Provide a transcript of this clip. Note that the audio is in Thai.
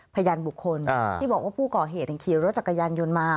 พยานบุคคลที่บอกว่าผู้ก่อเหตุขี่รถจักรยานยนต์มา